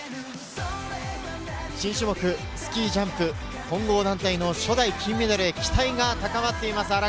新種目・スキージャンプ混合団体の初代金メダルへ期待が高まっています。